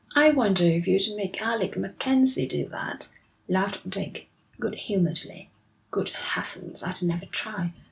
'I wonder if you'd make Alec MacKenzie do that?' laughed Dick, good naturedly. 'Good heavens, I'd never try.